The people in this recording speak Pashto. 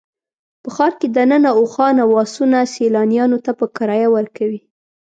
په ښار کې دننه اوښان او اسونه سیلانیانو ته په کرایه ورکوي.